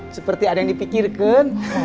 seperti ada yang dipikirkan